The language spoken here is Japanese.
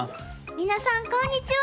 皆さんこんにちは！